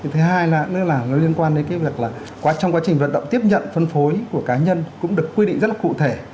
thứ hai nữa là nó liên quan đến cái việc là trong quá trình vận động tiếp nhận phân phối của cá nhân cũng được quy định rất là cụ thể